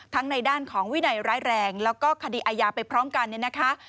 ในด้านของวินัยร้ายแรงแล้วก็คดีอาญาไปพร้อมกันเนี่ยนะคะ